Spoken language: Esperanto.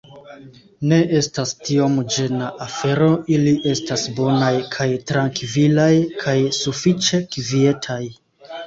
Ne estas tiom ĝena afero ili estas bonaj kaj trankvilaj kaj sufiĉe kvietaj